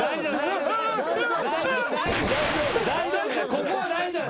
ここは大丈夫。